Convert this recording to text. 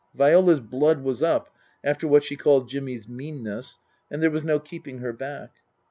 Viola's blood was up, after what she called Jimmy's meanness, and there was no keeping her back.